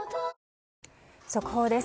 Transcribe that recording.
速報です。